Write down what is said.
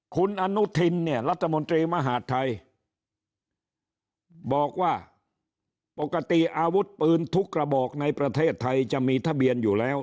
คุณอนุทินเนี่ยรัฐมนตรีมหาดไทยบอกว่าปกติอาวุธปืนทุกกระบอกในประเทศไทยจะมีทะเบียนอยู่แล้ว